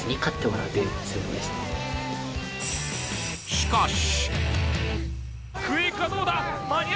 しかし。